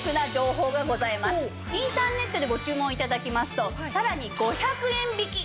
インターネットでご注文頂きますとさらに５００円引き。